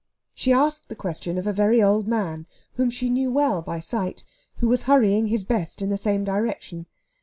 She asked the question of a very old man, whom she knew well by sight, who was hurrying his best in the same direction.